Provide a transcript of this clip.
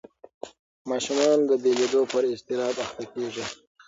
ماشومان د بېلېدو پر اضطراب اخته کېږي.